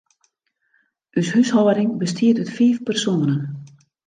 Us húshâlding bestiet út fiif persoanen.